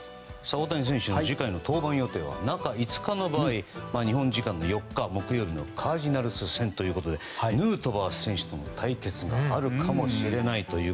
大谷選手の次回の登板予定は中５日の場合日本時間の４日、木曜日のカージナルス戦ということでヌートバー選手との対決があるかもしれないと。